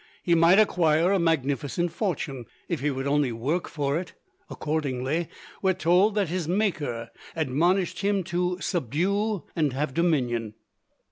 He might acquire a magnificent fortune, if he would only work for it; accordingly, we are told that his Maker admonished him to "subdue and have dominion."